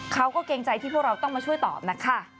เกรงใจที่พวกเราต้องมาช่วยตอบนะคะ